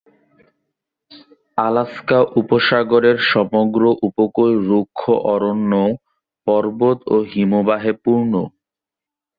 Alaska উপসাগরের সমগ্র উপকূল রুক্ষ অরণ্য, পর্বত ও হিমবাহে পূর্ণ।